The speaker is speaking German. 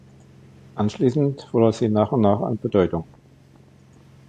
Anschließend verlor sie nach und nach an Bedeutung.